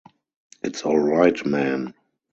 It's all right, men!